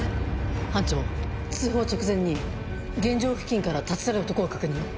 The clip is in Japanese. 班長通報直前に現場付近から立ち去る男を確認。